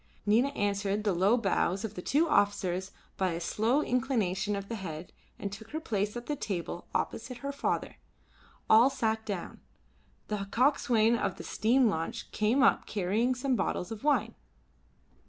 Nina answered the low bows of the two officers by a slow inclination of the head and took her place at the table opposite her father. All sat down. The coxswain of the steam launch came up carrying some bottles of wine.